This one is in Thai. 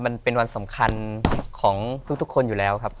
มันเป็นวันสำคัญของทุกคนอยู่แล้วครับ